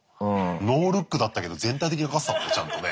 ノールックだったけど全体的にかかってたもんねちゃんとね。